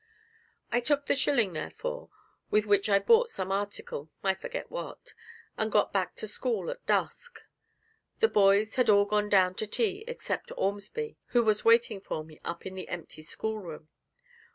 I took the shilling, therefore, with which I bought some article I forget what and got back to the school at dusk. The boys had all gone down to tea except Ormsby, who was waiting for me up in the empty schoolroom.